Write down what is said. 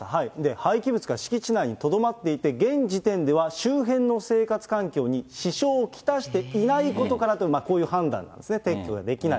廃棄物が敷地内にとどまっていて、現時点では周辺の生活環境に支障を来していないことからという、こういう判断ですね、撤去ができない。